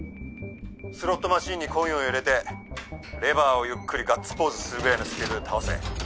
スロットマシンにコインを入れてレバーをゆっくりガッツポーズするぐらいのスピードで倒せ。